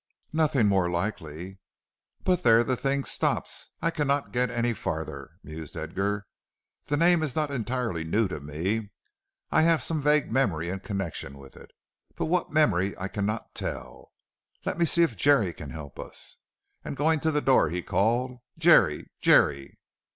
"Nothing more likely." "But there the thing stops. I cannot get any farther," mused Edgar. "The name is not entirely new to me. I have some vague memory in connection with it, but what memory I cannot tell. Let me see if Jerry can help us." And going to the door, he called "Jerry! Jerry!"